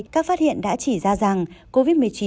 các phát hiện đã chỉ ra rằng covid một mươi chín